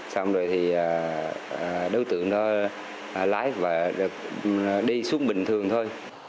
xong rồi thì đối tượng đó lái và đi xuống bình thường thôi